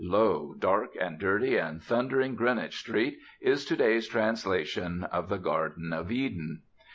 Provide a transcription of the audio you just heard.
Lo! dark and dirty and thundering Greenwich Street is to day's translation of the Garden of Eden.